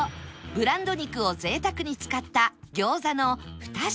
ブランド肉を贅沢に使った餃子の２品